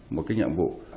một cái nhiệm vụ